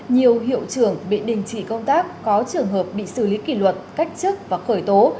nhiều hiệu trưởng bị đình chỉ công tác có trường hợp bị xử lý kỷ luật cách chức và khởi tố